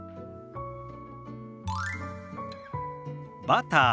「バター」。